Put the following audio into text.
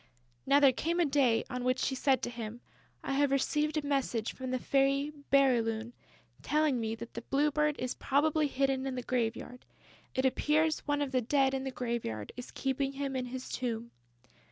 Now there came a day on which she said to him: "I have received a message from the Fairy Bérylune telling me that the Blue Bird is probably hidden in the graveyard.... It appears that one of the Dead in the graveyard is keeping him in his tomb...."